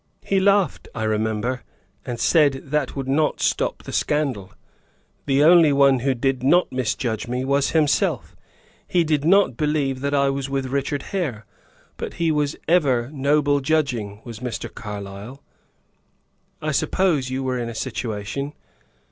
"He laughed, I remember, and said that would not stop the scandal. The only one who did not misjudge me was himself; he did not believe that I was with Richard Hare, but he was ever noble judging was Mr. Carlyle." "I suppose you were in a situation?"